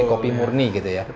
kopi murni gitu ya